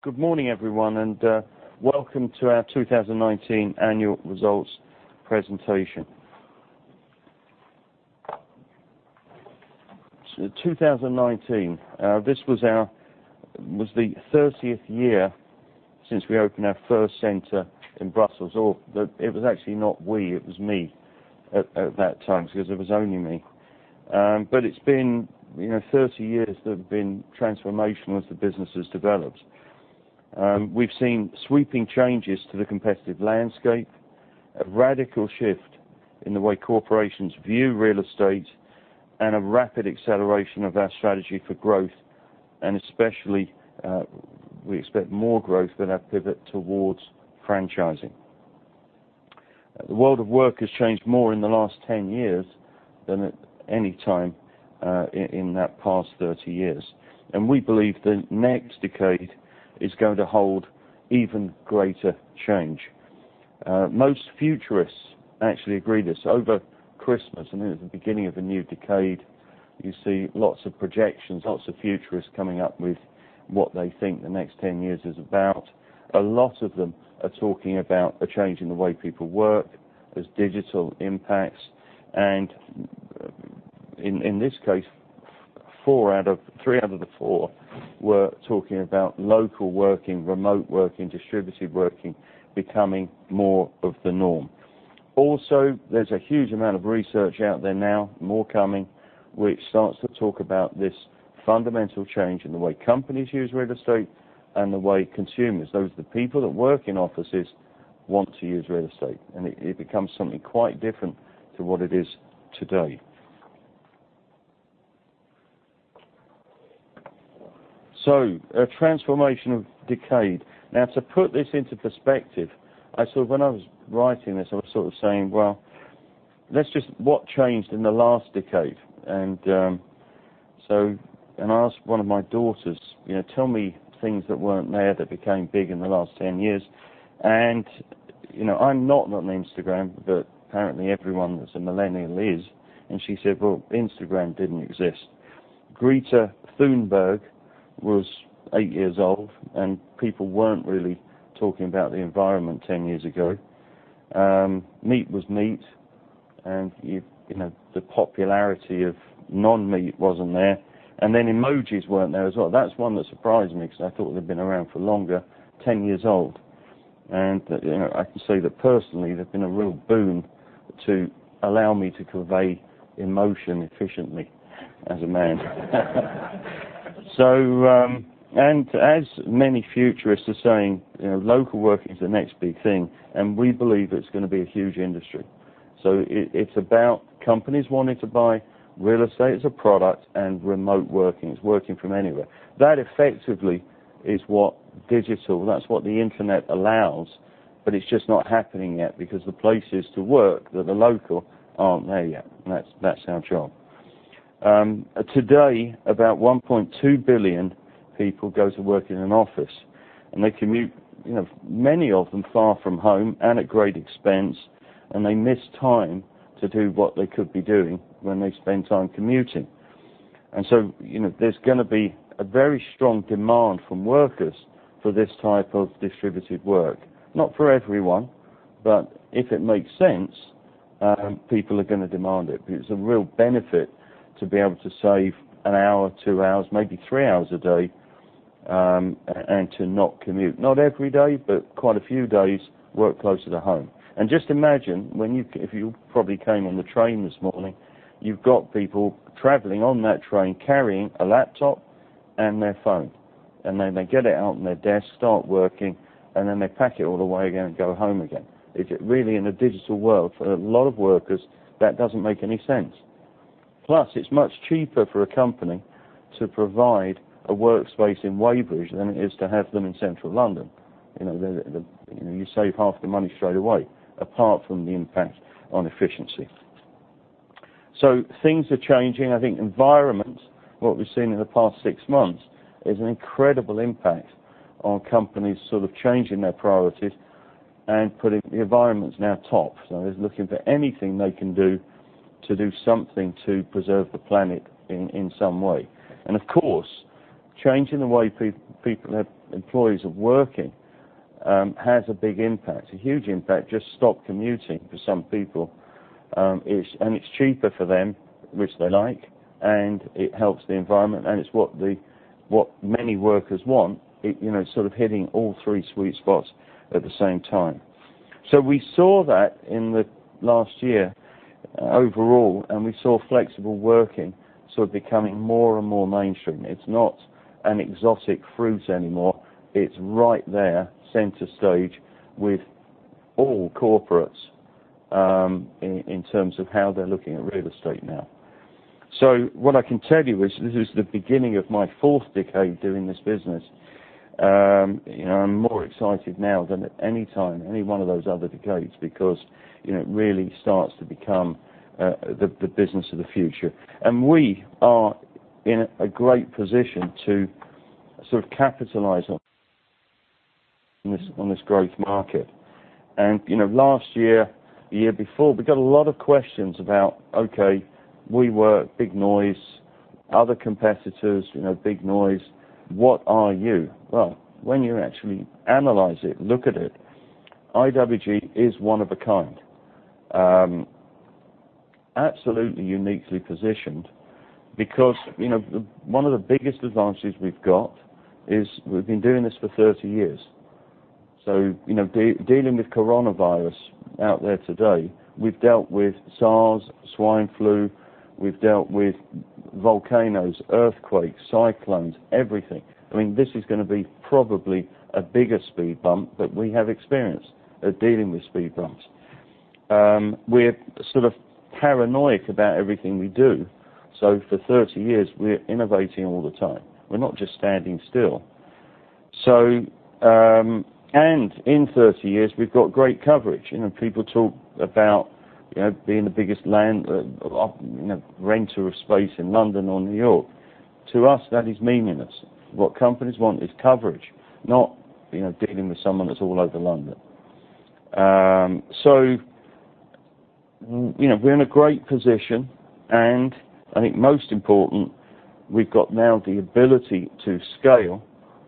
Good morning, everyone, and welcome to our 2019 annual results presentation. 2019. This was the 30th year since we opened our first center in Brussels. It was actually not we, it was me at that time, because it was only me. It's been 30 years that have been transformational as the business has developed. We've seen sweeping changes to the competitive landscape, a radical shift in the way corporations view real estate, and a rapid acceleration of our strategy for growth, and especially, we expect more growth with our pivot towards franchising. The world of work has changed more in the last 10 years than at any time in that past 30 years. We believe the next decade is going to hold even greater change. Most futurists actually agree with this. Over Christmas into the beginning of a new decade, you see lots of projections, lots of futurists coming up with what they think the next 10 years is about. A lot of them are talking about a change in the way people work, there's digital impacts, and in this case, three out of the four were talking about local working, remote working, distributed working, becoming more of the norm. There's a huge amount of research out there now, more coming, which starts to talk about this fundamental change in the way companies use real estate and the way consumers, those are the people that work in offices, want to use real estate. It becomes something quite different to what it is today. A transformational decade. To put this into perspective, when I was writing this, I was sort of saying, "Well, what changed in the last decade?" I asked one of my daughters, "Tell me things that weren't there that became big in the last 10 years." I'm not on Instagram, but apparently everyone that's a millennial is, and she said, "Well, Instagram didn't exist. Greta Thunberg was eight years old, and people weren't really talking about the environment 10 years ago. Meat was meat, the popularity of non-meat wasn't there. Emojis weren't there as well." That's one that surprised me because I thought they'd been around for longer. 10 years old. I can say that personally, they've been a real boon to allow me to convey emotion efficiently as a man. As many futurists are saying, local work is the next big thing, and we believe it's going to be a huge industry. It's about companies wanting to buy real estate as a product, and remote working, it's working from anywhere. That effectively is what digital, that's what the internet allows, but it's just not happening yet because the places to work that are local aren't there yet. That's our job. Today, about 1.2 billion people go to work in an office, and they commute, many of them far from home and at great expense, and they miss time to do what they could be doing when they spend time commuting. There's going to be a very strong demand from workers for this type of distributed work. Not for everyone. If it makes sense, people are going to demand it, because it's a real benefit to be able to save an hour, two hours, maybe three hours a day, and to not commute. Not every day, quite a few days, work closer to home. Just imagine, you probably came on the train this morning, you've got people traveling on that train carrying a laptop and their phone. Then they get it out on their desk, start working, then they pack it all away again and go home again. Really in a digital world, for a lot of workers, that doesn't make any sense. Plus, it's much cheaper for a company to provide a workspace in Weybridge than it is to have them in Central London. You save half the money straight away, apart from the impact on efficiency. Things are changing. I think environment, what we've seen in the past six months, is an incredible impact on companies changing their priorities and putting the environment now top. They're looking for anything they can do to do something to preserve the planet in some way. Of course, changing the way employees are working has a big impact, a huge impact. Just stop commuting for some people. It's cheaper for them, which they like, and it helps the environment, and it's what many workers want. It's sort of hitting all three sweet spots at the same time. We saw that in the last year overall, and we saw flexible working becoming more and more mainstream. It's not an exotic fruit anymore. It's right there center stage with all corporates in terms of how they're looking at real estate now. What I can tell you is, this is the beginning of my fourth decade doing this business. I'm more excited now than at any time, any one of those other decades because it really starts to become the business of the future. We are in a great position to capitalize on this growth market. Last year, the year before, we got a lot of questions about, okay, WeWork, big noise, other competitors, big noise. What are you? When you actually analyze it, look at it, IWG is one of a kind. Absolutely uniquely positioned because one of the biggest advantages we've got is we've been doing this for 30 years. Dealing with coronavirus out there today, we've dealt with SARS, swine flu, we've dealt with volcanoes, earthquakes, cyclones, everything. This is going to be probably a bigger speed bump, but we have experience at dealing with speed bumps. We're sort of paranoid about everything we do. For 30 years, we're innovating all the time. We're not just standing still. In 30 years, we've got great coverage. People talk about being the biggest renter of space in London or New York. To us, that is meaningless. What companies want is coverage, not dealing with someone that's all over London. We're in a great position, and I think most important, we've got now the ability to scale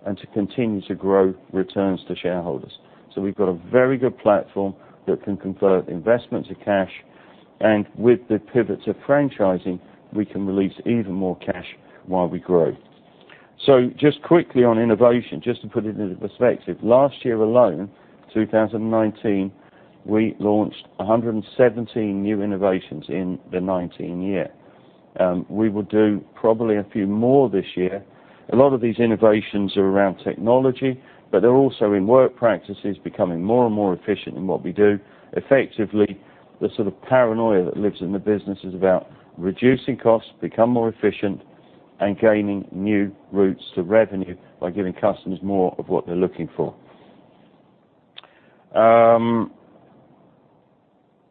and to continue to grow returns to shareholders. We've got a very good platform that can convert investment to cash, and with the pivot to franchising, we can release even more cash while we grow. Just quickly on innovation, just to put it into perspective, last year alone, 2019, we launched 117 new innovations in the 2019 year. We will do probably a few more this year. A lot of these innovations are around technology, but they're also in work practices, becoming more and more efficient in what we do. Effectively, the sort of paranoia that lives in the business is about reducing costs, become more efficient, and gaining new routes to revenue by giving customers more of what they're looking for.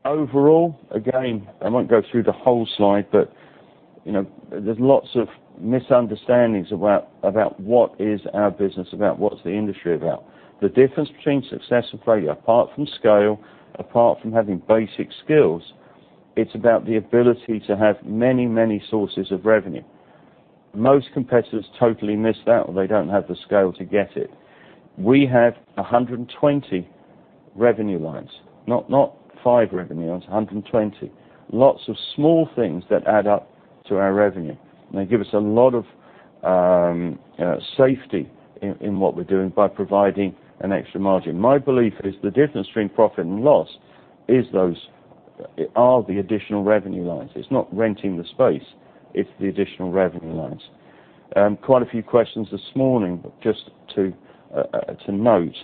Overall, again, I won't go through the whole slide, but there's lots of misunderstandings about what is our business about, what's the industry about. The difference between success and failure, apart from scale, apart from having basic skills, it's about the ability to have many, many sources of revenue. Most competitors totally miss that, or they don't have the scale to get it. We have 120 revenue lines, not five revenue lines, 120. Lots of small things that add up to our revenue. They give us a lot of safety in what we're doing by providing an extra margin. My belief is the difference between profit and loss are the additional revenue lines. It's not renting the space, it's the additional revenue lines. Quite a few questions this morning. Just to note,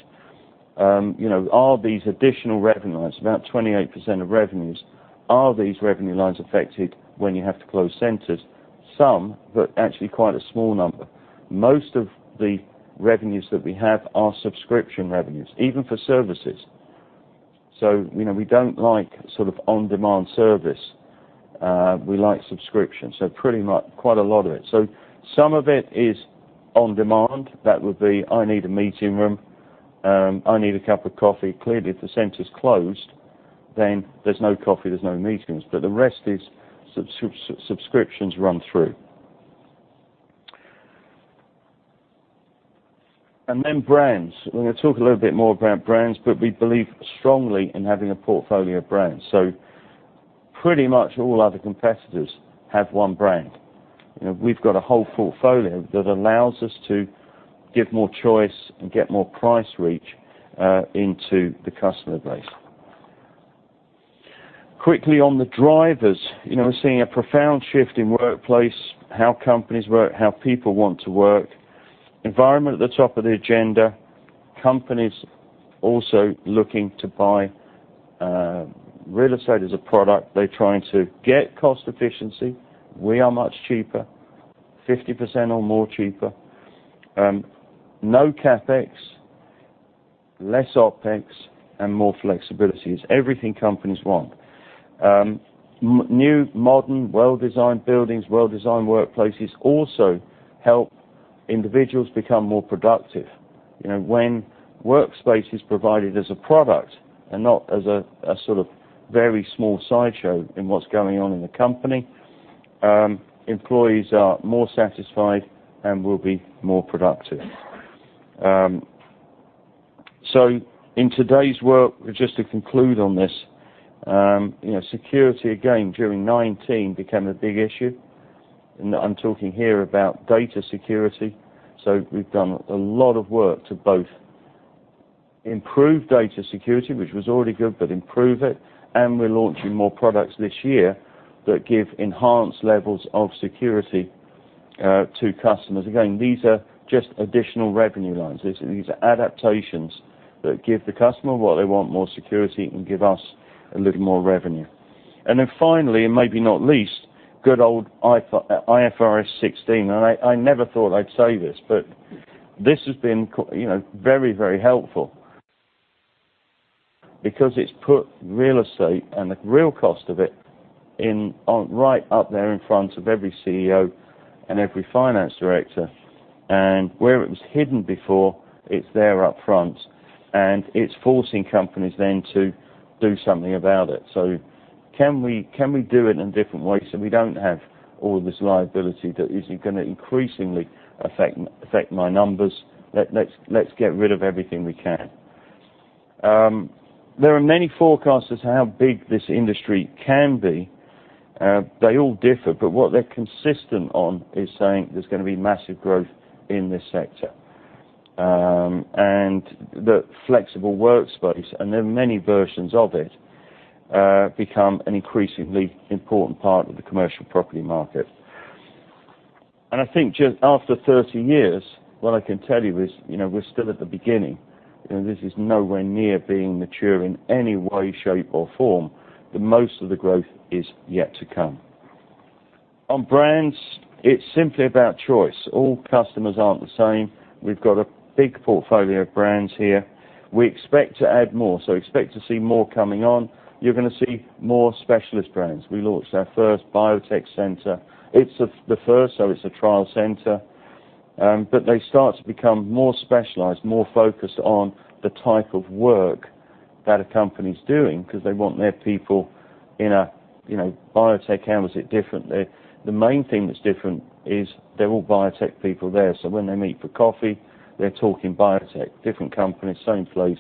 are these additional revenue lines, about 28% of revenues, are these revenue lines affected when you have to close centers? Some, actually quite a small number. Most of the revenues that we have are subscription revenues, even for services. We don't like sort of on-demand service. We like subscription, quite a lot of it. Some of it is on-demand. That would be, I need a meeting room. I need a cup of coffee. Clearly, if the center's closed, then there's no coffee, there's no meetings. The rest is subscriptions run through. Then brands. We're going to talk a little bit more about brands. We believe strongly in having a portfolio of brands. Pretty much all other competitors have one brand. We've got a whole portfolio that allows us to give more choice and get more price reach into the customer base. Quickly on the drivers. We're seeing a profound shift in workplace, how companies work, how people want to work. Environment at the top of the agenda. Companies also looking to buy real estate as a product. They're trying to get cost efficiency. We are much cheaper, 50% or more cheaper. No CapEx, less OpEx, more flexibility. It's everything companies want. New, modern, well-designed buildings, well-designed workplaces also help individuals become more productive. When workspace is provided as a product and not as a sort of very small sideshow in what's going on in the company, employees are more satisfied and will be more productive. In today's work, just to conclude on this, security again during 2019 became a big issue. I'm talking here about data security. We've done a lot of work to both improve data security, which was already good, but improve it, and we're launching more products this year that give enhanced levels of security to customers. Again, these are just additional revenue lines. These are adaptations that give the customer what they want, more security, and give us a little more revenue. Then finally, and maybe not least, good old IFRS 16. I never thought I'd say this, but this has been very, very helpful. Because it's put real estate and the real cost of it right up there in front of every CEO and every finance director. Where it was hidden before, it's there up front, and it's forcing companies then to do something about it. Can we do it in different ways so we don't have all this liability that is going to increasingly affect my numbers? Let's get rid of everything we can. There are many forecasts as to how big this industry can be. They all differ, but what they're consistent on is saying there's going to be massive growth in this sector. That flexible workspace, and there are many versions of it, become an increasingly important part of the commercial property market. I think just after 30 years, what I can tell you is, we're still at the beginning, and this is nowhere near being mature in any way, shape, or form, that most of the growth is yet to come. On brands, it's simply about choice. All customers aren't the same. We've got a big portfolio of brands here. We expect to add more, expect to see more coming on. You're going to see more specialist brands. We launched our first biotech center. It's the first, it's a trial center. They start to become more specialized, more focused on the type of work that a company's doing because they want their people. Biotech handles it differently. The main thing that's different is they're all biotech people there, when they meet for coffee, they're talking biotech. Different companies, same place.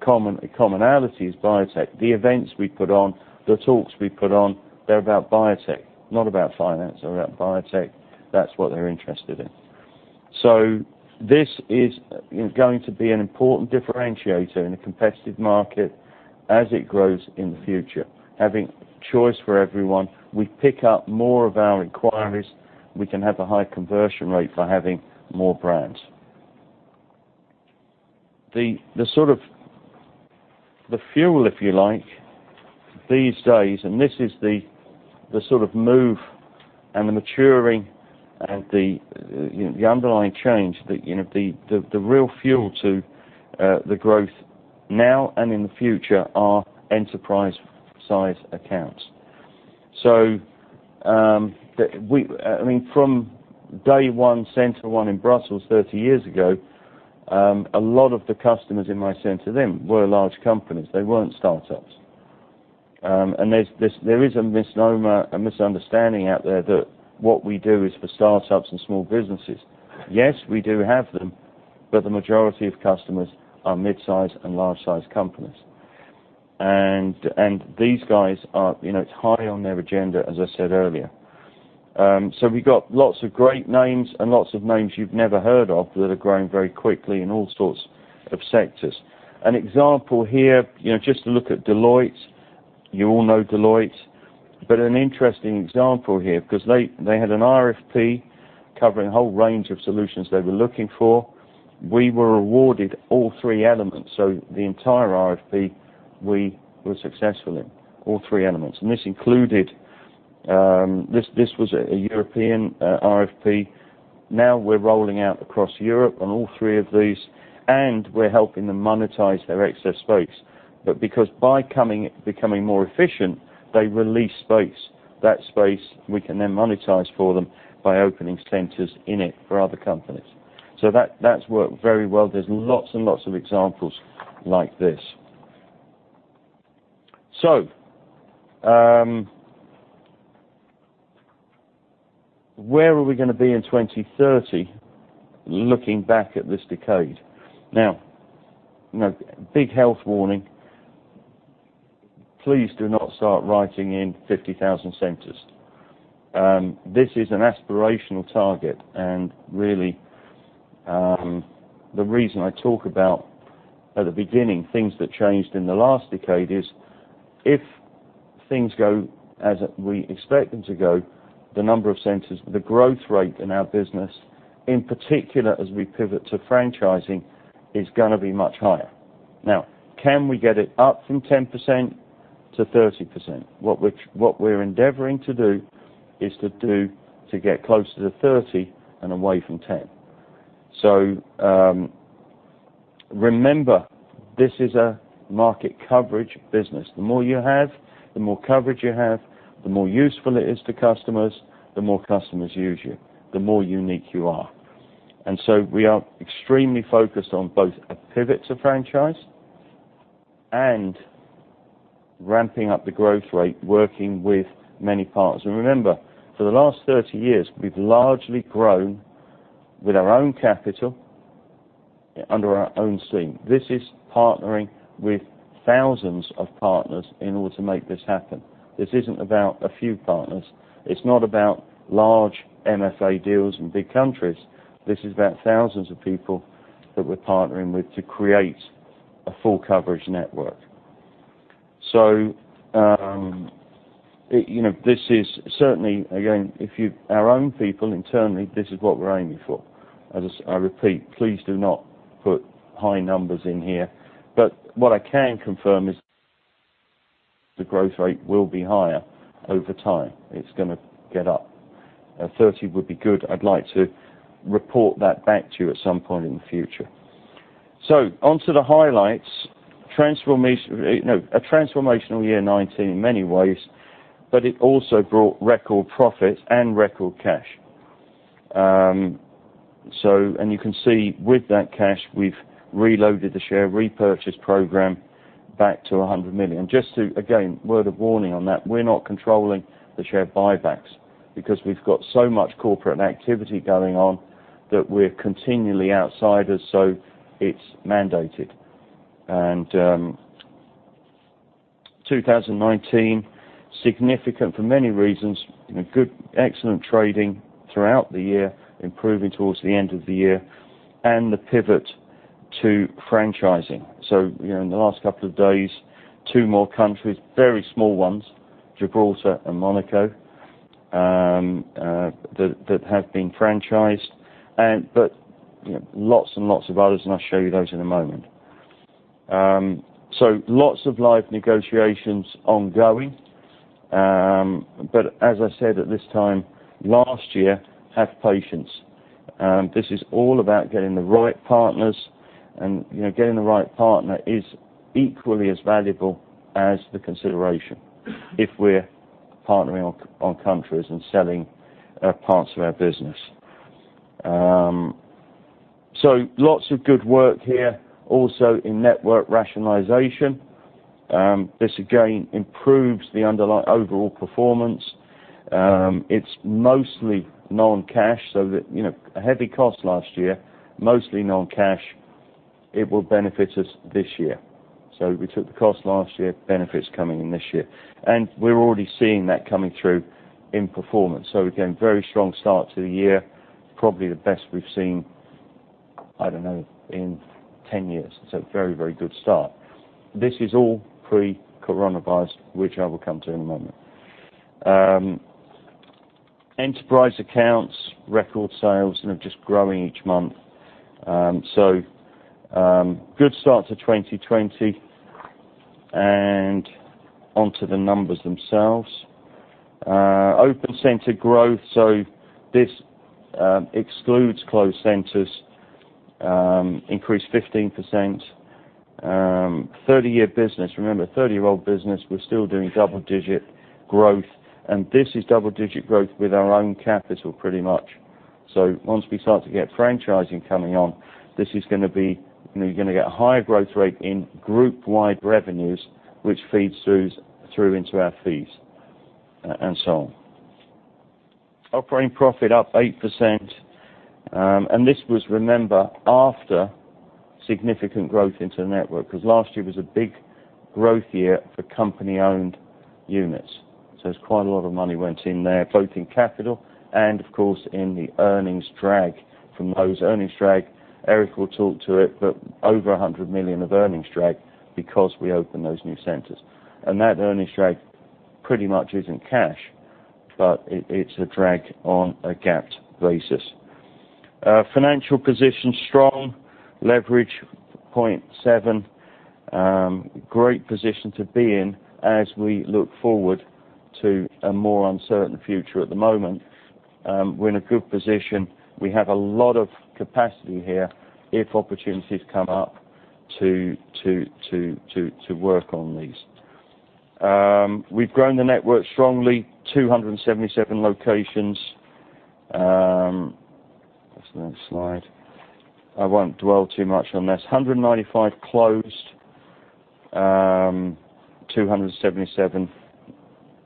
Commonality is biotech. The events we put on, the talks we put on, they're about biotech. Not about finance or about biotech. That's what they're interested in. This is going to be an important differentiator in a competitive market as it grows in the future, having choice for everyone. We pick up more of our inquiries. We can have a high conversion rate for having more brands. The fuel, if you like, these days, and this is the sort of move and the maturing and the underlying change. The real fuel to the growth now and in the future are enterprise-size accounts. From day one, center one in Brussels 30 years ago, a lot of the customers in my center then were large companies. They weren't startups. There is a misnomer, a misunderstanding out there that what we do is for startups and small businesses. Yes, we do have them. The majority of customers are mid-size and large-size companies. These guys, it's high on their agenda, as I said earlier. We've got lots of great names and lots of names you've never heard of that are growing very quickly in all sorts of sectors. An example here, just to look at Deloitte. You all know Deloitte. An interesting example here, because they had an RFP covering a whole range of solutions they were looking for. We were awarded all three elements, so the entire RFP, we were successful in. All three elements. This was a European RFP. Now we're rolling out across Europe on all three of these, and we're helping them monetize their excess space. Because by becoming more efficient, they release space. That space we can then monetize for them by opening centers in it for other companies. That's worked very well. There's lots and lots of examples like this. Where are we going to be in 2030, looking back at this decade? Now, big health warning, please do not start writing in 50,000 centers. This is an aspirational target, and really, the reason I talk about at the beginning, things that changed in the last decade is if things go as we expect them to go, the number of centers, the growth rate in our business, in particular as we pivot to franchising, is going to be much higher. Now, can we get it up from 10%-30%? What we're endeavoring to do is to get closer to 30% and away from 10%. Remember, this is a market coverage business. The more you have, the more coverage you have, the more useful it is to customers, the more customers use you, the more unique you are. We are extremely focused on both a pivot to franchise and ramping up the growth rate, working with many partners. Remember, for the last 30 years, we've largely grown with our own capital under our own steam. This is partnering with thousands of partners in order to make this happen. This isn't about a few partners. It's not about large MFA deals in big countries. This is about thousands of people that we're partnering with to create a full coverage network. This is certainly, again, our own people internally, this is what we're aiming for. As I repeat, please do not put high numbers in here. What I can confirm is the growth rate will be higher over time. It's going to get up. 30% would be good. I'd like to report that back to you at some point in the future. Onto the highlights. A transformational year 2019 in many ways, but it also brought record profits and record cash. You can see with that cash, we've reloaded the share repurchase program back to 100 million. Just to, again, word of warning on that, we're not controlling the share buybacks because we've got so much corporate activity going on that we're continually outsiders, so it's mandated. 2019, significant for many reasons, excellent trading throughout the year, improving towards the end of the year, and the pivot to franchising. In the last couple of days, two more countries, very small ones, Gibraltar and Monaco, that have been franchised. Lots and lots of others, and I'll show you those in a moment. Lots of live negotiations ongoing. As I said at this time last year, have patience. This is all about getting the right partners, and getting the right partner is equally as valuable as the consideration if we're partnering on countries and selling parts of our business. Lots of good work here. Also in network rationalization. This, again, improves the underlying overall performance. It's mostly non-cash, so a heavy cost last year, mostly non-cash. It will benefit us this year. We took the cost last year, benefits coming in this year. We're already seeing that coming through in performance. Again, very strong start to the year. Probably the best we've seen, I don't know, in 10 years. Very good start. This is all pre-coronavirus, which I will come to in a moment. Enterprise accounts, record sales, and they're just growing each month. Good start to 2020. Onto the numbers themselves. Open center growth, so this excludes closed centers, increased 15%. 30-year business, remember, 30-year-old business, we're still doing double-digit growth. This is double-digit growth with our own capital pretty much. Once we start to get franchising coming on, you're going to get a higher growth rate in group-wide revenues, which feeds through into our fees and so on. Operating profit up 8%. This was, remember, after significant growth into the network, because last year was a big growth year for company-owned units. It's quite a lot of money went in there, both in capital and of course in the earnings drag from those. Earnings drag, Eric will talk to it, but over 100 million of earnings drag because we opened those new centers. That earnings drag pretty much isn't cash, but it's a drag on a GAAP basis. Financial position strong, leverage 0.7x. Great position to be in as we look forward to a more uncertain future at the moment. We're in a good position. We have a lot of capacity here if opportunities come up to work on these. We've grown the network strongly, 277 locations. That's the next slide. I won't dwell too much on this. 195 closed, 277.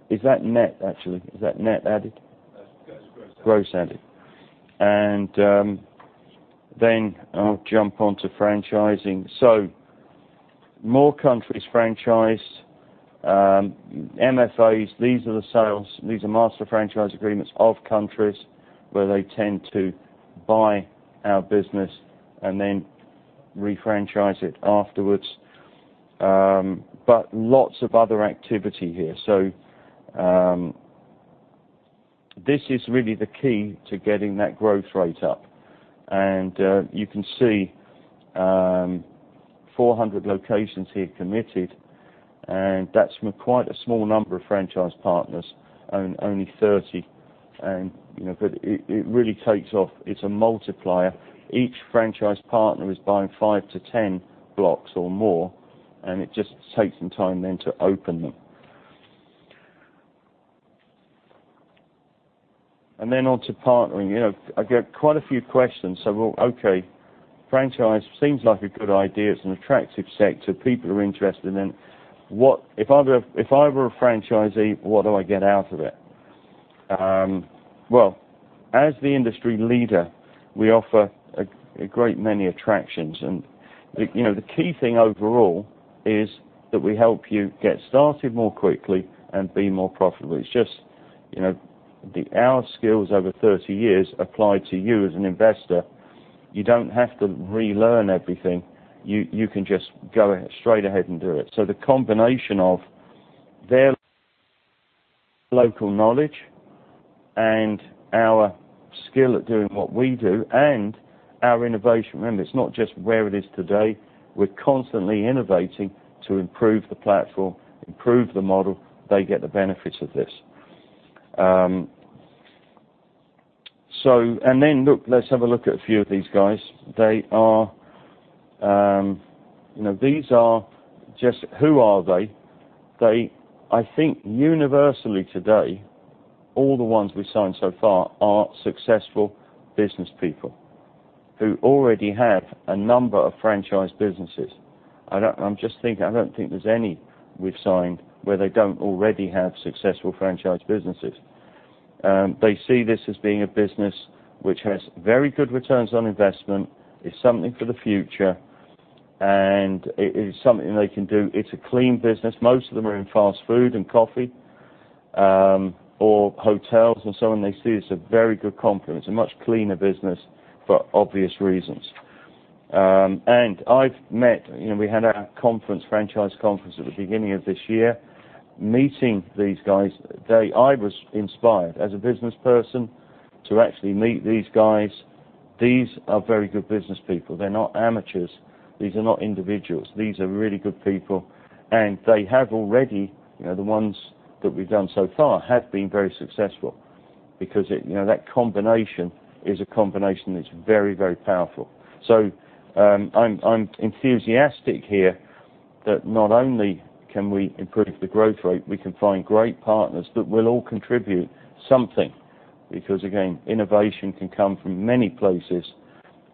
Is that net, actually? Is that net added? That's gross added. Gross added. Then I'll jump onto franchising. More countries franchised. MFAs, these are the sales. These are master franchise agreements of countries where they tend to buy our business and then refranchise it afterwards. Lots of other activity here. This is really the key to getting that growth rate up. You can see 400 locations here committed, and that's from quite a small number of franchise partners, only 30. It really takes off. It's a multiplier. Each franchise partner is buying 5-10 blocks or more, and it just takes some time then to open them. On to partnering. I get quite a few questions. Well, okay, franchise seems like a good idea. It's an attractive sector. People are interested in it. If I were a franchisee, what do I get out of it? Well, as the industry leader, we offer a great many attractions, and the key thing overall is that we help you get started more quickly and be more profitable. It's just our skills over 30 years applied to you as an investor. You don't have to relearn everything. You can just go straight ahead and do it. The combination of their local knowledge and our skill at doing what we do, and our innovation. Remember, it's not just where it is today. We're constantly innovating to improve the platform, improve the model. They get the benefits of this. Look, let's have a look at a few of these guys. Who are they? I think universally today, all the ones we've signed so far are successful business people who already have a number of franchise businesses. I don't think there's any we've signed where they don't already have successful franchise businesses. They see this as being a business which has very good returns on investment. It is something for the future, it is something they can do. It's a clean business. Most of them are in fast food and coffee, or hotels and so on. They see it as a very good complement. It's a much cleaner business for obvious reasons. We had our franchise conference at the beginning of this year. Meeting these guys, I was inspired as a business person to actually meet these guys. These are very good business people. They're not amateurs. These are not individuals. These are really good people, the ones that we've done so far have been very successful because that combination is a combination that's very powerful. I'm enthusiastic here that not only can we improve the growth rate, we can find great partners that will all contribute something because, again, innovation can come from many places,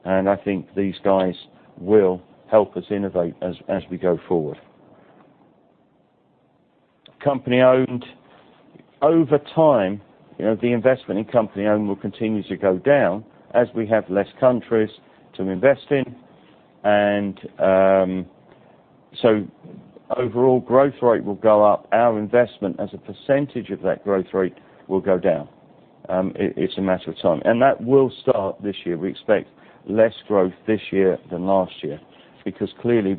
and I think these guys will help us innovate as we go forward. Company owned. Over time, the investment in company owned will continue to go down as we have less countries to invest in. Overall growth rate will go up. Our investment as a percentage of that growth rate will go down. It's a matter of time, and that will start this year. We expect less growth this year than last year because clearly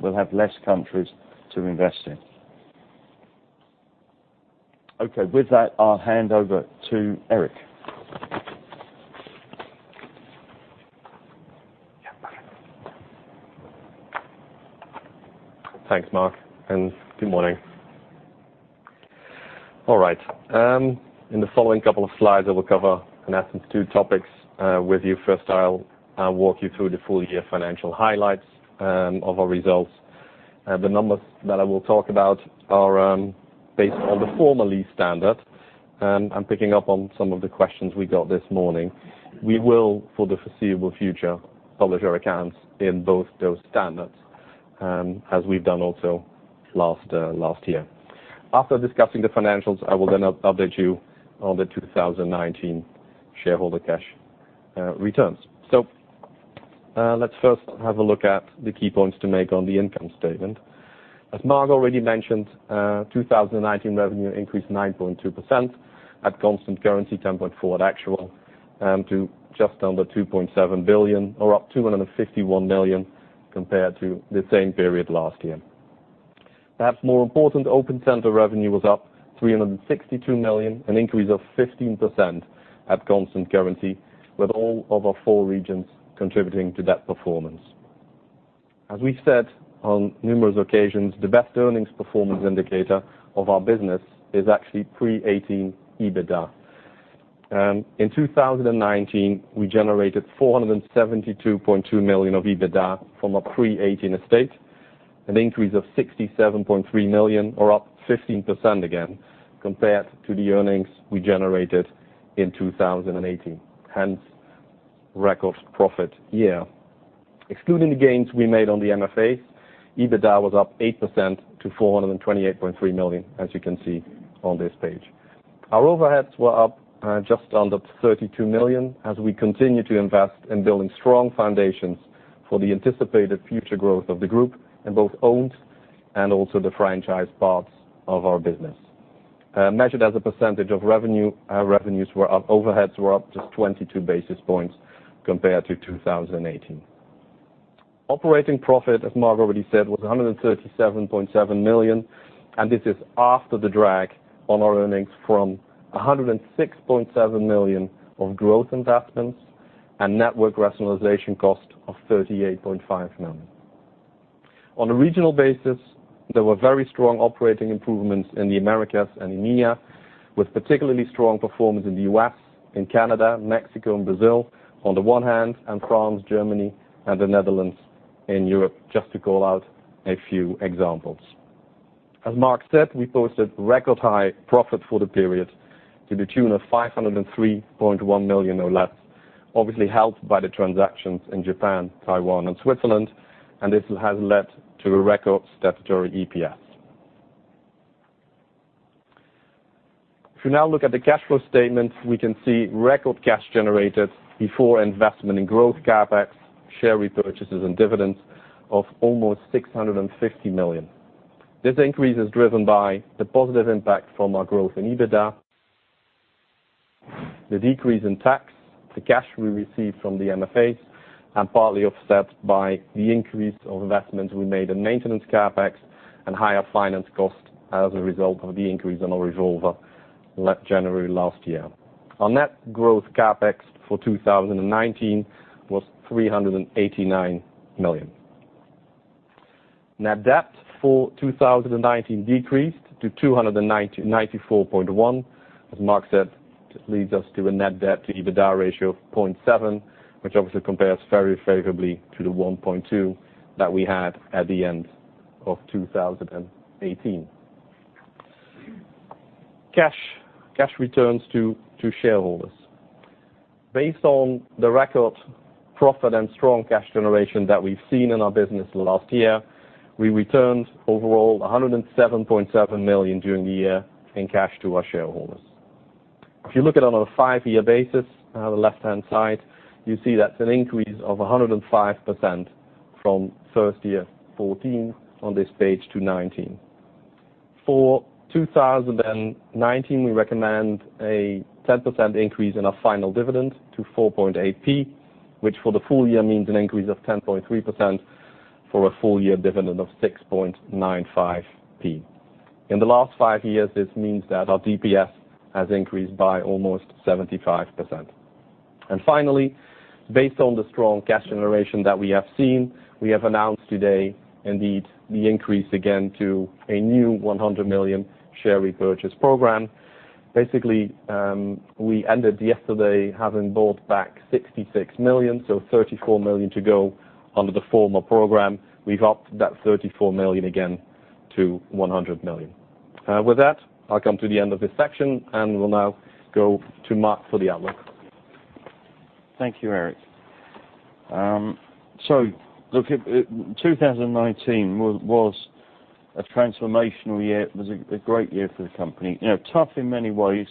we'll have less countries to invest in. Okay. With that, I'll hand over to Eric. Thanks, Mark. Good morning. All right. In the following couple of slides, I will cover, in essence, two topics with you. First, I'll walk you through the full-year financial highlights of our results. The numbers that I will talk about are based on the former lease standard. I'm picking up on some of the questions we got this morning. We will, for the foreseeable future, publish our accounts in both those standards, as we've done also last year. After discussing the financials, I will update you on the 2019 shareholder cash returns. Let's first have a look at the key points to make on the income statement. As Mark already mentioned, 2019 revenue increased 9.2% at constant currency, 10.4% at actual, to just under 2.7 billion, or up 251 million compared to the same period last year. Perhaps more important, open center revenue was up 362 million, an increase of 15% at constant currency, with all of our four regions contributing to that performance. As we said on numerous occasions, the best earnings performance indicator of our business is actually pre-2018 EBITDA. In 2019, we generated 472.2 million of EBITDA from a pre-2018 estate, an increase of 67.3 million or up 15% again, compared to the earnings we generated in 2018, hence record profit year. Excluding the gains we made on the MFAs, EBITDA was up 8% to 428.3 million as you can see on this page. Our overheads were up just under 32 million as we continue to invest in building strong foundations for the anticipated future growth of the group in both owned and also the franchise parts of our business. Measured as a percentage of revenues were up, overheads were up just 22 basis points compared to 2018. Operating profit, as Mark already said, was 137.7 million, and this is after the drag on our earnings from 106.7 million of growth investments and network rationalization cost of 38.5 million. On a regional basis, there were very strong operating improvements in the Americas and EMEA, with particularly strong performance in the U.S., in Canada, Mexico and Brazil on the one hand, and France, Germany, and the Netherlands in Europe, just to call out a few examples. As Mark said, we posted record high profit for the period to the tune of 503.1 million or less, obviously helped by the transactions in Japan, Taiwan, and Switzerland, and this has led to a record statutory EPS. If you now look at the cash flow statement, we can see record cash generated before investment in growth CapEx, share repurchases and dividends of almost 650 million. This increase is driven by the positive impact from our growth in EBITDA, the decrease in tax, the cash we received from the MFAs, and partly offset by the increase of investments we made in maintenance CapEx and higher finance cost as a result of the increase in our revolver January last year. Our net growth CapEx for 2019 was 389 million. Net debt for 2019 decreased to 294.1. As Mark said, this leads us to a net debt-to-EBITDA ratio of 0.7x, which obviously compares very favorably to the 1.2x that we had at the end of 2018. Cash returns to shareholders. Based on the record profit and strong cash generation that we've seen in our business last year, we returned overall 107.7 million during the year in cash to our shareholders. If you look at it on a five-year basis, on the left-hand side, you see that's an increase of 105% from first year, 2014, on this page, to 2019. For 2019, we recommend a 10% increase in our final dividend to 0.048, which for the full year means an increase of 10.3% for a full year dividend of 0.0695. In the last five years, this means that our DPS has increased by almost 75%. Finally, based on the strong cash generation that we have seen, we have announced today indeed the increase again to a new 100 million share repurchase program. Basically, we ended yesterday having bought back 66 million, so 34 million to go under the former program. We've upped that 34 million again to 100 million. With that, I'll come to the end of this section, and we'll now go to Mark for the outlook. Thank you, Eric. Look, 2019 was a transformational year. It was a great year for the company. Tough in many ways,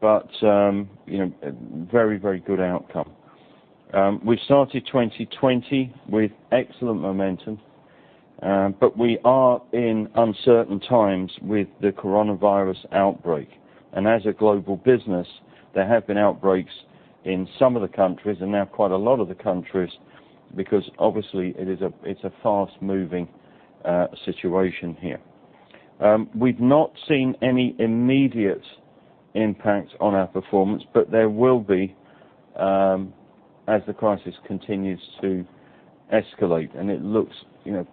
but very good outcome. We started 2020 with excellent momentum, but we are in uncertain times with the coronavirus outbreak. As a global business, there have been outbreaks in some of the countries and now quite a lot of the countries because obviously it's a fast-moving situation here. We've not seen any immediate impact on our performance, but there will be as the crisis continues to escalate.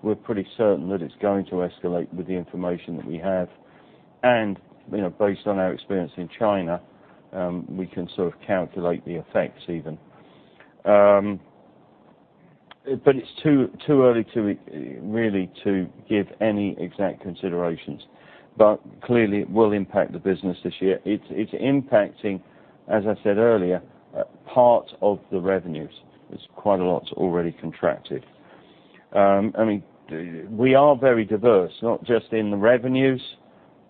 We're pretty certain that it's going to escalate with the information that we have. Based on our experience in China, we can sort of calculate the effects even. It's too early really to give any exact considerations. Clearly, it will impact the business this year. It's impacting, as I said earlier, parts of the revenues. There's quite a lot already contracted. We are very diverse, not just in the revenues,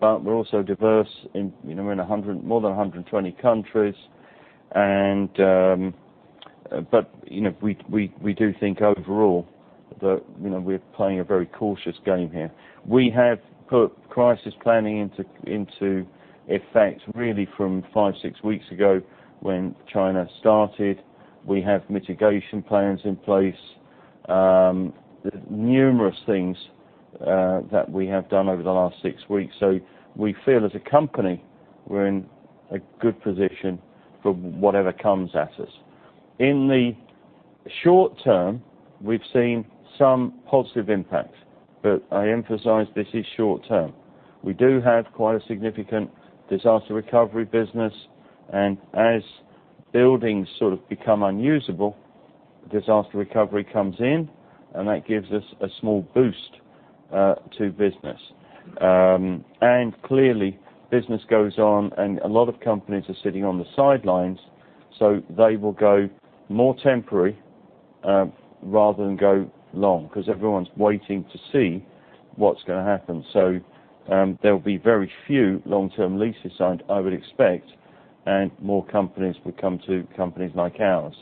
but we're also diverse in we're in more than 120 countries. We do think overall that we're playing a very cautious game here. We have put crisis planning into effect really from five, six weeks ago when China started. We have mitigation plans in place. There's numerous things that we have done over the last six weeks. We feel as a company, we're in a good position for whatever comes at us. In the short term, we've seen some positive impact. I emphasize this is short term. We do have quite a significant disaster recovery business, and as buildings sort of become unusable, disaster recovery comes in, and that gives us a small boost to business. Clearly business goes on and a lot of companies are sitting on the sidelines, so they will go more temporary rather than go long because everyone's waiting to see what's going to happen. There'll be very few long-term leases signed, I would expect, and more companies would come to companies like ours.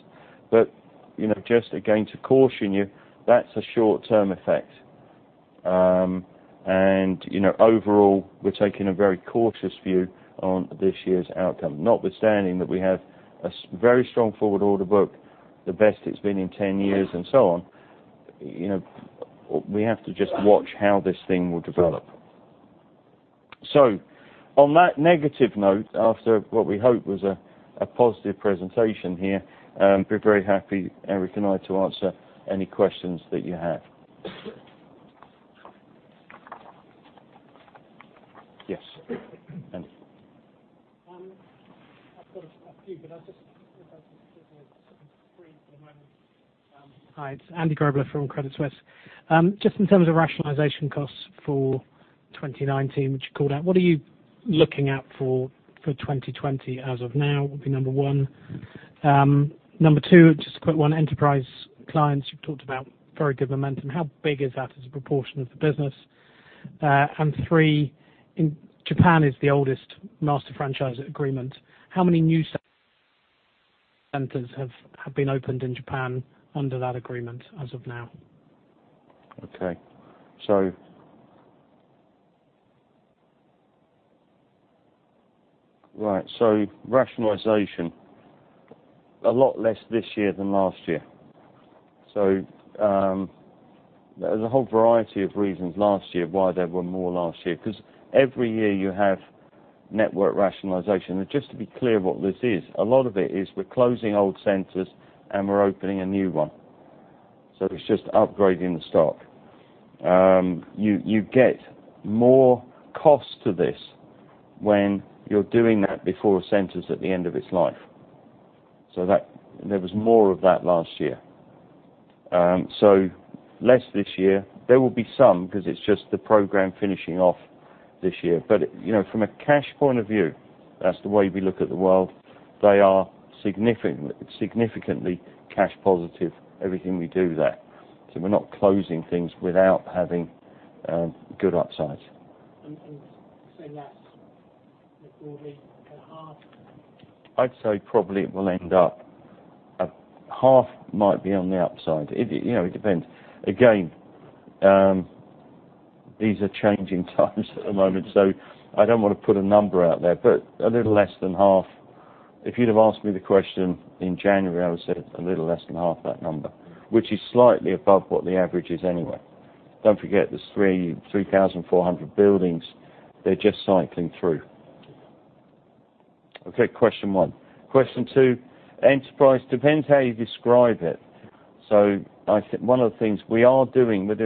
Just again to caution you, that's a short-term effect. Overall, we're taking a very cautious view on this year's outcome, notwithstanding that we have a very strong forward order book, the best it's been in 10 years and so on. We have to just watch how this thing will develop. On that negative note, after what we hope was a positive presentation here, we're very happy, Eric and I, to answer any questions that you have. Yes, Andy. I've got a few, but I'll just give you three for the moment. Hi, it's Andy Grobler from Credit Suisse. Just in terms of rationalization costs for 2019, which you called out, what are you looking at for 2020 as of now, would be number one. Number two, just a quick one. Enterprise clients, you've talked about very good momentum. How big is that as a proportion of the business? Three, Japan is the oldest master franchise agreement. How many new centers have been opened in Japan under that agreement as of now? Right. Rationalization, a lot less this year than last year. There's a whole variety of reasons last year why there were more last year, because every year you have network rationalization. Just to be clear what this is, a lot of it is we're closing old centers and we're opening a new one. It's just upgrading the stock. You get more cost to this when you're doing that before a center's at the end of its life. There was more of that last year. Less this year. There will be some because it's just the program finishing off this year. From a cash point of view, that's the way we look at the world, they are significantly cash-positive, everything we do there. We're not closing things without having good upsides. That's broadly a half? I'd say probably it will end up, a half might be on the upside. It depends. Again, these are changing times at the moment, so I don't want to put a number out there, but a little less than half. If you'd have asked me the question in January, I would've said a little less than half that number, which is slightly above what the average is anyway. Don't forget, there's 3,400 buildings they're just cycling through. Okay, question one. Question two, enterprise, depends how you describe it. I think one of the things we are doing, we've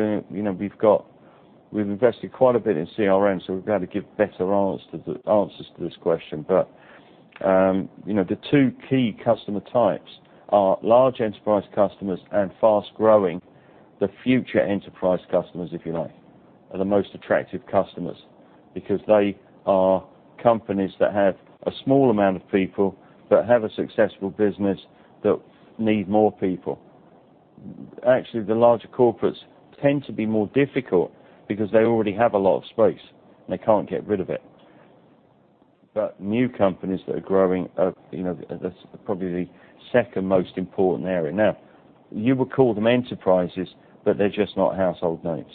invested quite a bit in CRM, so we've got to give better answers to this question. The two key customer types are large enterprise customers and fast-growing. The future enterprise customers, if you like, are the most attractive customers because they are companies that have a small amount of people, but have a successful business that need more people. Actually, the larger corporates tend to be more difficult because they already have a lot of space, and they can't get rid of it. New companies that are growing, that's probably the second most important area. You would call them enterprises, but they're just not household names.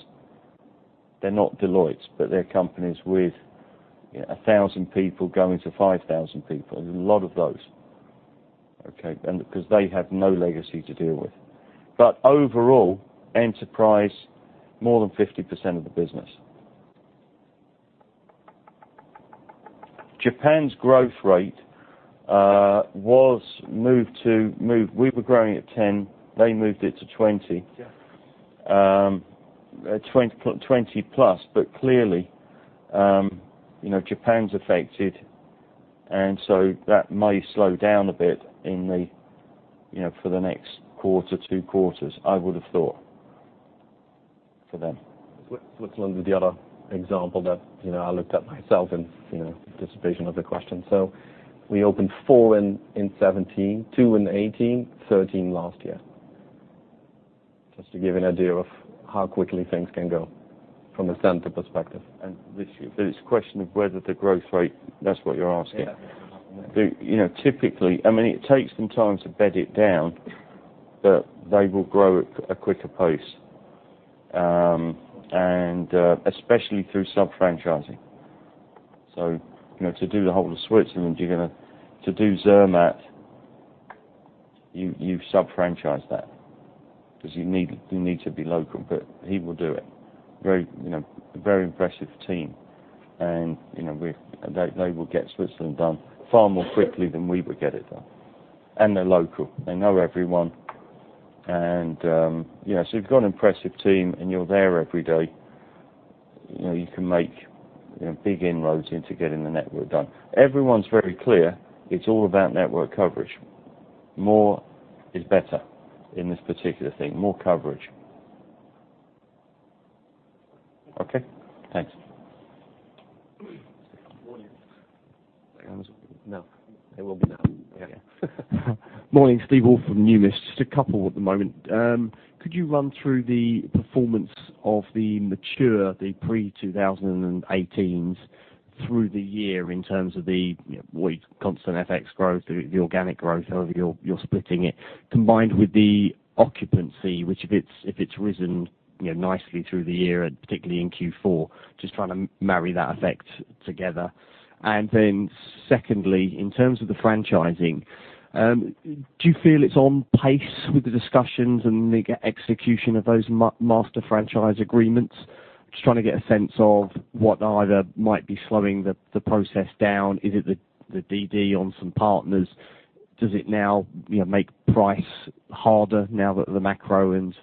They're not Deloitte, but they're companies with 1,000 people going to 5,000 people. There's a lot of those. Okay. They have no legacy to deal with. Overall, enterprise, more than 50% of the business. Japan's growth rate, we were growing at 10%, they moved it to 20%. Yeah. 20+%. Clearly Japan's affected, that may slow down a bit for the next quarter, two quarters, I would have thought for them. Switzerland is the other example that I looked at myself in anticipation of the question. We opened four in 2017, two in 2018, 13 last year. Just to give you an idea of how quickly things can go from a center perspective. This year. It's a question of whether the growth rate, that's what you're asking. Yeah. Typically, it takes them time to bed it down, but they will grow at a quicker pace, and especially through sub-franchising. To do the whole of Switzerland, to do Zermatt, you sub-franchise that because you need to be local. He will do it. A very impressive team, and they will get Switzerland done far more quickly than we would get it done, and they're local. They know everyone. You've got an impressive team, and you're there every day. You can make big inroads into getting the network done. Everyone's very clear. It's all about network coverage. More is better in this particular thing. More coverage. Okay? Thanks. Morning. No. It will be now. Yeah. Morning. Steve Woolf from Numis. Just a couple at the moment. Could you run through the performance of the mature, the pre-2018s through the year in terms of the constant FX growth, the organic growth, however you're splitting it, combined with the occupancy, which if it's risen nicely through the year, and particularly in Q4, just trying to marry that effect together. Secondly, in terms of the franchising, do you feel it's on pace with the discussions and the execution of those master franchise agreements? Just trying to get a sense of what either might be slowing the process down. Is it the DD on some partners? Does it now make price harder now that the macro and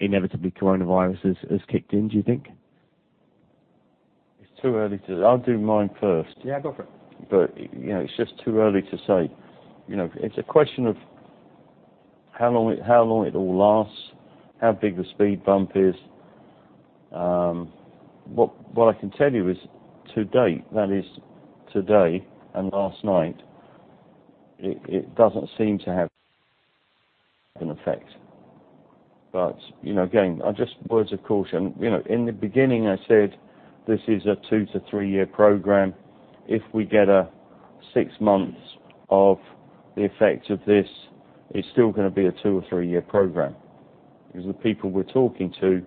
inevitably coronavirus has kicked in, do you think? It's too early. I'll do mine first. Yeah, go for it. It's just too early to say. It's a question of how long it all lasts, how big the speed bump is. What I can tell you is to date, that is today and last night, it doesn't seem to have an effect. Again, just words of caution. In the beginning, I said this is a two- to three-year program. If we get six months of the effects of this, it's still going to be a two- or three-year program. Because the people we're talking to,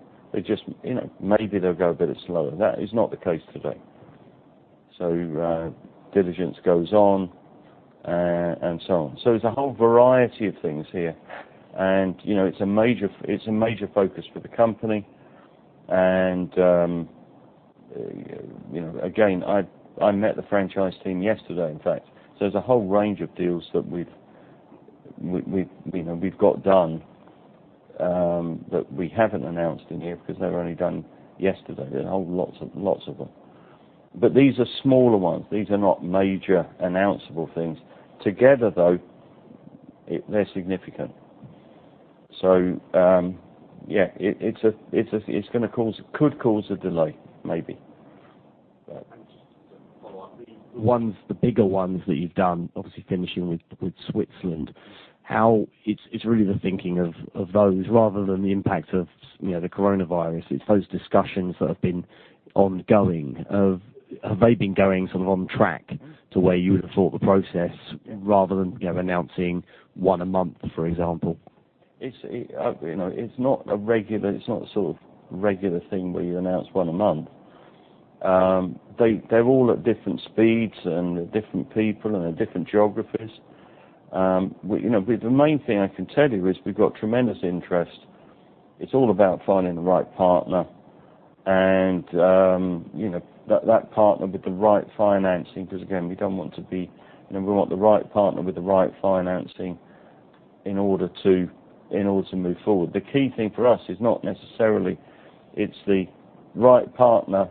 maybe they'll go a bit slower. That is not the case today. Diligence goes on, and so on. There's a whole variety of things here. It's a major focus for the company and again, I met the franchise team yesterday, in fact. There's a whole range of deals that we've got done that we haven't announced in here because they were only done yesterday. There's whole lots of them. These are smaller ones. These are not major announceable things. Together though, they're significant. Yeah. It could cause a delay maybe. The bigger ones that you've done, obviously finishing with Switzerland, how it's really the thinking of those rather than the impact of the coronavirus. It's those discussions that have been ongoing. Have they been going sort of on track to where you would have thought the process, rather than announcing one a month, for example? It's not a sort of regular thing where you announce one a month. They're all at different speeds, and they're different people, and they're different geographies. The main thing I can tell you is we've got tremendous interest. It's all about finding the right partner, and that partner with the right financing. Again, we want the right partner with the right financing in order to move forward. The key thing for us is not necessarily, it's the right partner,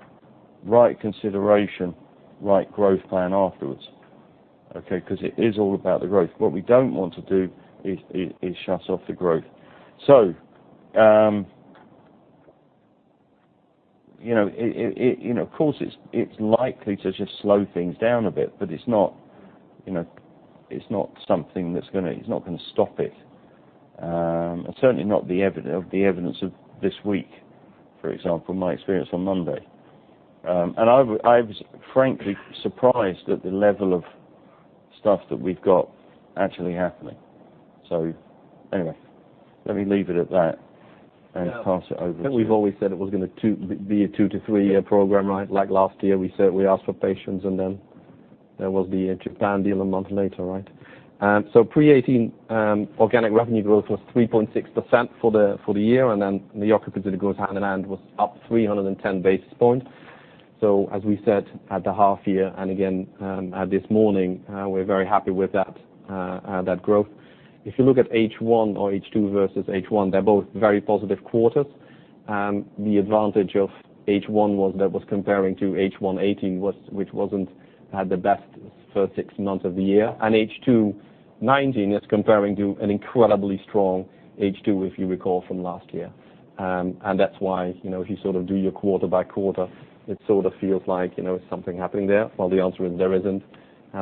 right consideration, right growth plan afterwards. Okay. It is all about the growth. What we don't want to do is shut off the growth. Of course it's likely to just slow things down a bit, but it's not something that's going to stop it. Certainly not the evidence of this week, for example, my experience on Monday. I was frankly surprised at the level of stuff that we've got actually happening. Anyway, let me leave it at that and pass it over to. I think we've always said it was going to be a two- to three-year program, right? Like last year, we said we asked for patience and then there was the Japan deal a month later, right? Pre-2018 organic revenue growth was 3.6% for the year, and then the occupancy that goes hand-in-hand was up 310 basis points. As we said at the half-year, and again, this morning, we're very happy with that growth. If you look at H1 or H2 versus H1, they're both very positive quarters. The advantage of H1 was that was comparing to H1 2018, which hadn't the best first six months of the year. H2 2019 is comparing to an incredibly strong H2, if you recall from last year. That's why if you sort of do your quarter by quarter, it sort of feels like something happening there. Well, the answer is there isn't.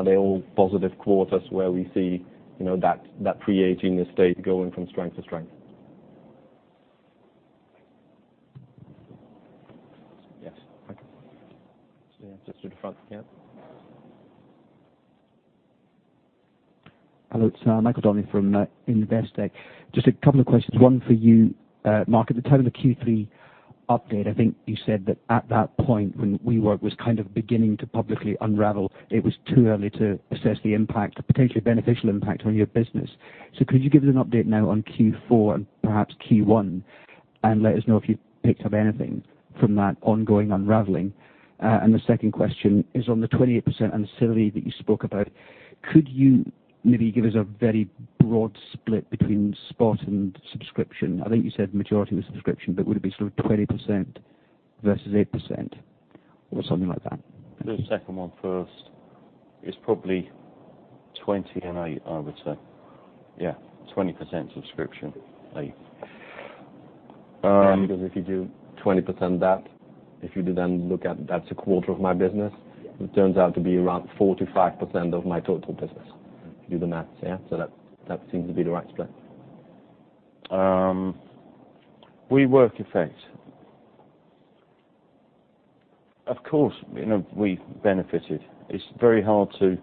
They're all positive quarters where we see that pre-2018 estate going from strength to strength. Thanks. Yes. Thank you. Just to the front again. Hello, it's Michael Donnelly from Investec. Just a couple of questions. One for you, Mark. At the time of the Q3 update, I think you said that at that point, when WeWork was kind of beginning to publicly unravel, it was too early to assess the impact, the potentially beneficial impact on your business. Could you give us an update now on Q4 and perhaps Q1, and let us know if you've picked up anything from that ongoing unraveling? The second question is on the 28% and the severity that you spoke about. Could you maybe give us a very broad split between spot and subscription? I think you said the majority was subscription, but would it be sort of 20% versus 8% or something like that? Do the second one first. It's probably 20% and 8%, I would say. Yeah, 20% subscription, 8%. If you do 20% that, if you do then look at that is a quarter of my business. Yeah. Iit turns out to be around 45% of my total business. Do the math, yeah? That seems to be the right split. WeWork effect. Of course, we benefited. It's very hard to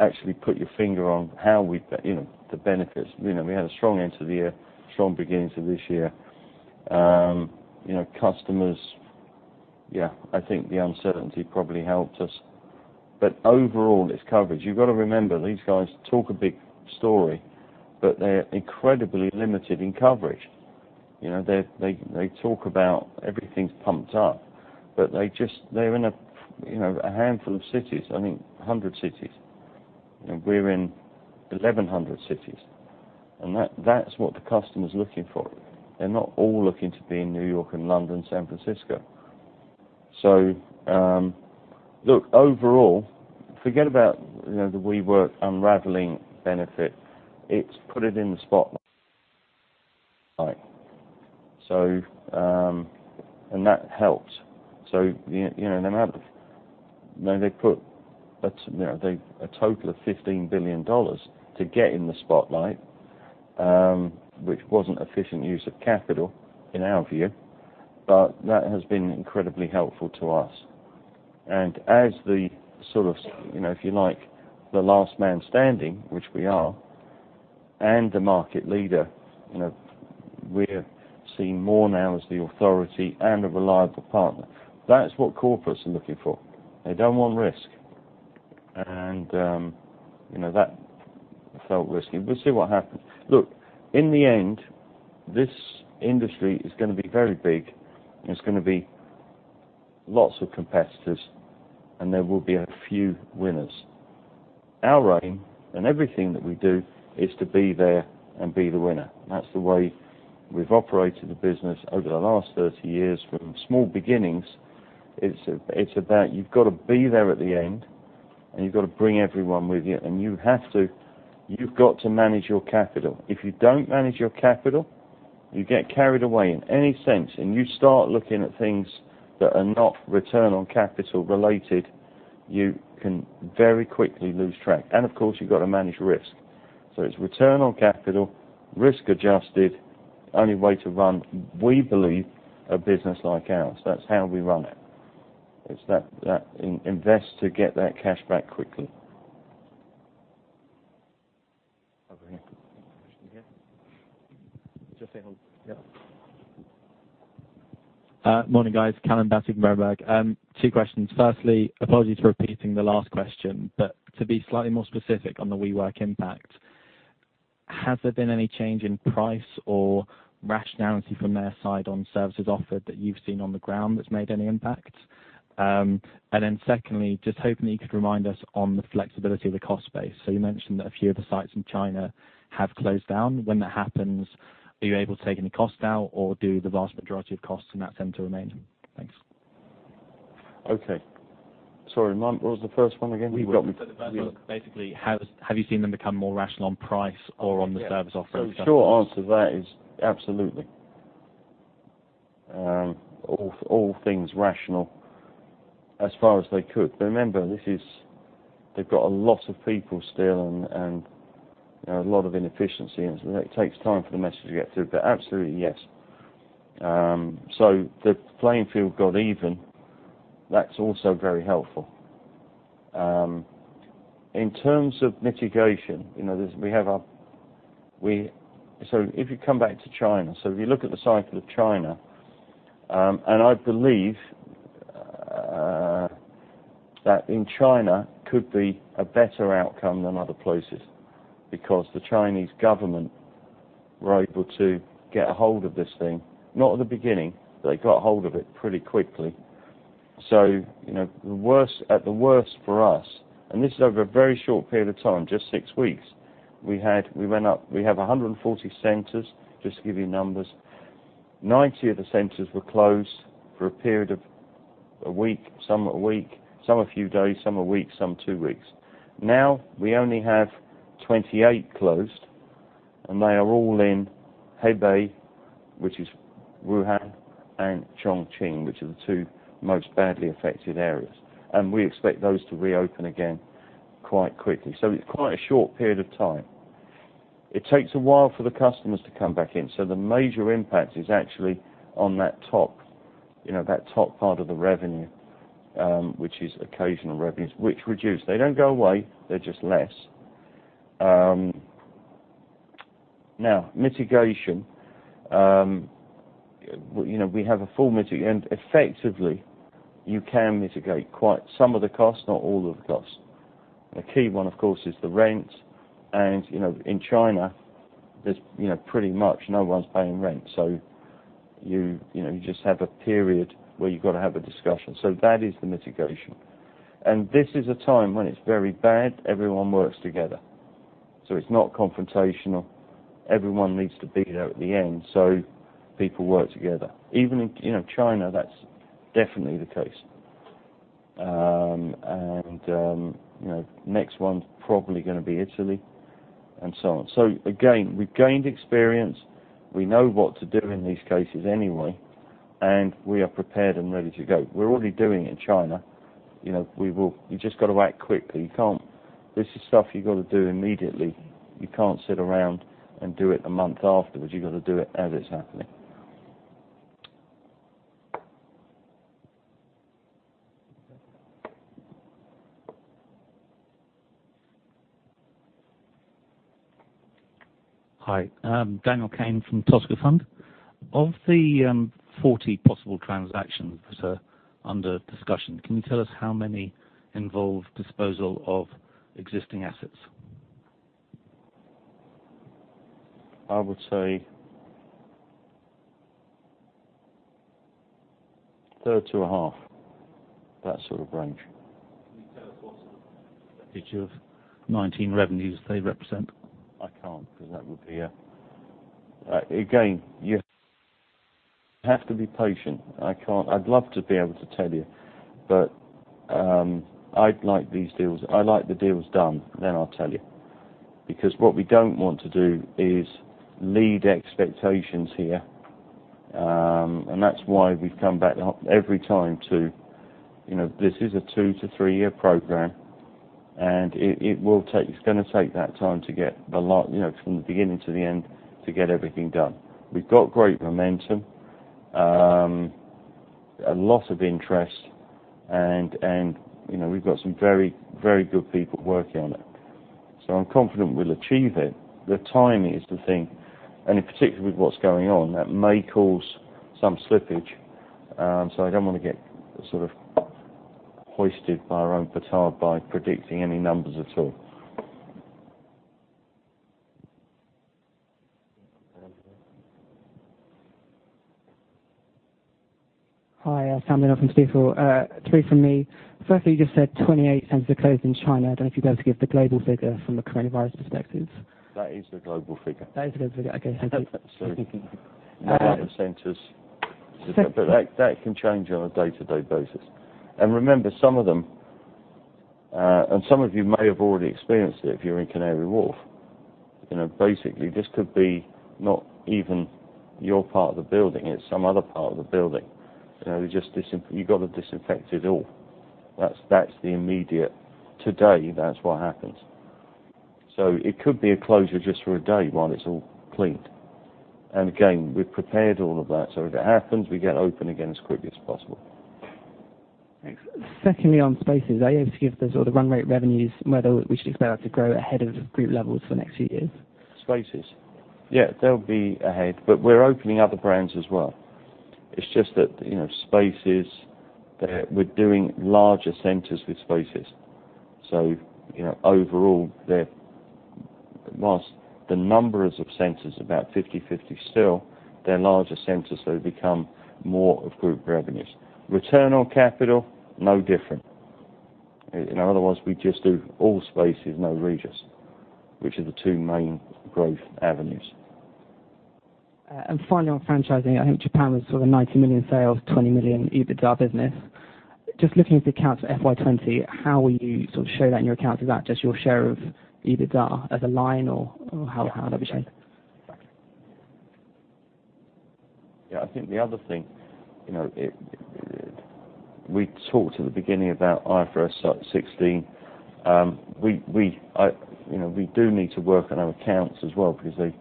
actually put your finger on the benefits. We had a strong end to the year, strong beginning to this year. Customers, yeah. I think the uncertainty probably helped us. Overall, it's coverage. You've got to remember, these guys talk a big story, but they're incredibly limited in coverage. They talk about everything's pumped up, but they're in a handful of cities, I think 100 cities, and we're in 1,100 cities. That's what the customer's looking for. They're not all looking to be in New York and London, San Francisco. Look, overall, forget about the WeWork unraveling benefit. It's put it in the spotlight. That helped. No, they put a total of $15 billion to get in the spotlight, which wasn't efficient use of capital in our view. That has been incredibly helpful to us. As the, if you like, the last man standing, which we are, and the market leader, we are seen more now as the authority and a reliable partner. That is what corporates are looking for. They don't want risk. That felt risky, but we'll see what happens. In the end, this industry is going to be very big, and there's going to be lots of competitors, and there will be a few winners. Our aim in everything that we do is to be there and be the winner, and that's the way we've operated the business over the last 30 years, from small beginnings. It's about you've got to be there at the end, and you've got to bring everyone with you. You've got to manage your capital. If you don't manage your capital, you get carried away in any sense, and you start looking at things that are not return-on-capital-related, you can very quickly lose track. Of course, you've got to manage risk. It's return on capital, risk-adjusted, only way to run, we believe, a business like ours. That's how we run it. It's that invest to get that cash back quickly. Over here. Question here. Just here. Yep. Morning, guys. Calum Battersby from Berenberg. Two questions. Firstly, apologies for repeating the last question, but to be slightly more specific on the WeWork impact, has there been any change in price or rationality from their side on services offered that you've seen on the ground that's made any impact? Secondly, just hoping that you could remind us on the flexibility of the cost base. You mentioned that a few of the sites in China have closed down. When that happens, are you able to take any cost out, or do the vast majority of costs in that tend to remain? Thanks. Okay. Sorry, what was the first one again? You got me. WeWork. The first one was basically, have you seen them become more rational on price or on the service offering? The short answer to that is absolutely. All things rational as far as they could. Remember, they've got a lot of people still and a lot of inefficiency, and so it takes time for the message to get through. Absolutely, yes. The playing field got even. That's also very helpful. In terms of mitigation, if you come back to China, if you look at the cycle of China, I believe that in China could be a better outcome than other places because the Chinese government were able to get a hold of this thing. Not at the beginning, they got a hold of it pretty quickly. At the worst for us, this is over a very short period of time, just six weeks, we have 140 centers, just to give you numbers. 90 of the centers were closed for a period of a week. Some a few days, some a week, some two weeks. We only have 28 closed, and they are all in Hubei, which is Wuhan and Chongqing, which are the two most badly affected areas. We expect those to reopen again quite quickly. It's quite a short period of time. It takes a while for the customers to come back in. The major impact is actually on that top part of the revenue, which is occasional revenues, which reduce. They don't go away. They're just less. Mitigation. We have a full mitigate, and effectively, you can mitigate quite some of the costs, not all of the costs. The key one, of course, is the rent. In China, pretty much no one's paying rent. You just have a period where you've got to have a discussion. That is the mitigation. This is a time when it's very bad, everyone works together. It's not confrontational. Everyone needs to be there at the end, so people work together. Even in China, that's definitely the case. Next one's probably going to be Italy, and so on. Again, we've gained experience. We know what to do in these cases anyway, and we are prepared and ready to go. We're already doing it in China. You just got to act quickly. This is stuff you got to do immediately. You can't sit around and do it a month afterwards. You got to do it as it's happening. Okay. Hi. Daniel Cane from Toscafund. Of the 40 possible transactions that are under discussion, can you tell us how many involve disposal of existing assets? I would say 30 to a half. That sort of range. Can you tell us what percentage of 2019 revenues they represent? I can't. Again, you have to be patient. I'd love to be able to tell you, but I'd like the deals done. I'll tell you. What we don't want to do is lead expectations here, and that's why we've come back every time to, this is a two- to three-year program. It's going to take that time, from the beginning to the end, to get everything done. We've got great momentum, a lot of interest, and we've got some very good people working on it. I'm confident we'll achieve it. The timing is the thing, and in particular with what's going on, that may cause some slippage. I don't want to get hoisted by our own petard by predicting any numbers at all. Hi, Sam Dindol from Stifel. Three from me. Firstly, you just said 28 centers are closed in China. I don't know if you can give the global figure from the coronavirus perspective. That is the global figure. That is the global figure. Okay, thank you. Sorry. Number of centers. That can change on a day-to-day basis. Remember, some of them, and some of you may have already experienced it if you're in Canary Wharf. Basically, this could be not even your part of the building, it's some other part of the building. You've got to disinfect it all. Today, that's what happens. It could be a closure just for a day while it's all cleaned. Again, we've prepared all of that, so if it happens, we get open again as quickly as possible. Thanks. Secondly, on Spaces. Are you able to give the run rate revenues, whether we should expect that to grow ahead of group levels for the next few years? Spaces. Yeah, they'll be ahead. We're opening other brands as well. It's just that, Spaces, we're doing larger centers with Spaces. Overall, whilst the numbers of centers are about 50/50 still, they're larger centers. It becomes more of group revenues. Return on capital, no different. In other words, we just do all Spaces, no Regus, which are the two main growth avenues. Finally, on franchising, I think Japan was sort of 90 million sales, 20 million EBITDA business. Just looking at the accounts for FY 2020, how will you show that in your accounts? Is that just your share of EBITDA as a line or how will that be shown? Yeah. I think the other thing, we talked at the beginning about IFRS 16. We do need to work on our accounts as well because they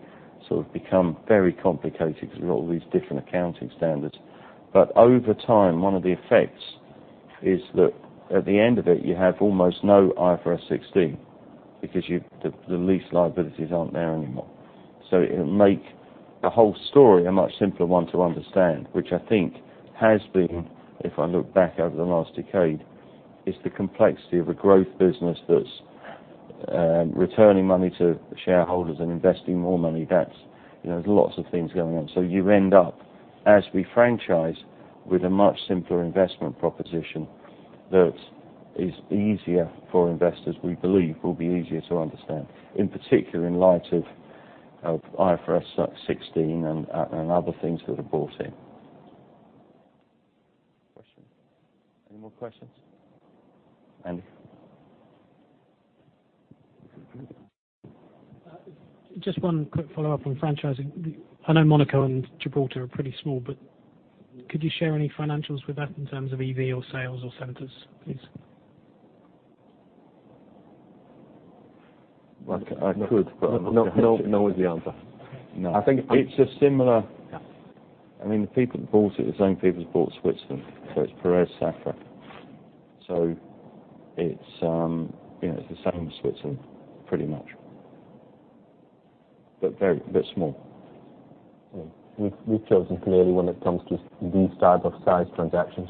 become very complicated because of all these different accounting standards. Over time, one of the effects is that at the end of it, you have almost no IFRS 16 because the lease liabilities aren't there anymore. It'll make the whole story a much simpler one to understand, which I think has been, if I look back over the last decade, is the complexity of a growth business that's returning money to shareholders and investing more money. There's lots of things going on. You end up, as we franchise, with a much simpler investment proposition that is easier for investors, we believe will be easier to understand, in particular in light of IFRS 16 and other things that are brought in. Questions. Any more questions? Andy. Just one quick follow-up on franchising. I know Monaco and Gibraltar are pretty small, but could you share any financials with that in terms of EV or sales or centers, please? I could, but I'm not going to. No is the answer. No. I think it's a similar. I mean, the people that bought it are the same people that bought Switzerland, it's Safra. It's the same as Switzerland, pretty much. Very small. We've chosen clearly when it comes to these types of size transactions,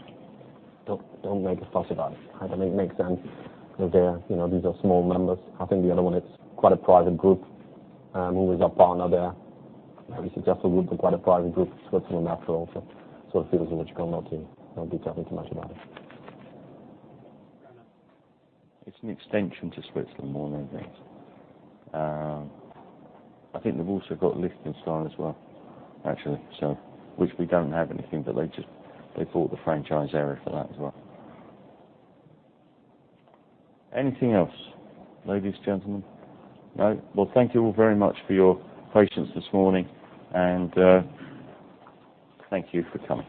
don't make a fuss about it. I don't think it makes sense. These are small members. I think the other one, it's quite a private group, who is our partner there. Obviously, just a group, but quite a private group in Switzerland after also. It feels logical not to. No detail, think too much about it. It's an extension to Switzerland more than anything else. I think they've also got Liechtenstein as well, actually. Which we don't have anything, but they bought the franchise area for that as well. Anything else, ladies, gentlemen? No? Well, thank you all very much for your patience this morning, and thank you for coming.